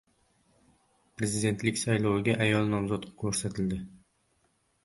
Prezidentlik sayloviga ayol nomzod ko‘rsatildi